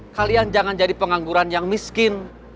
kalian jangan jadi pengangguran yang miskin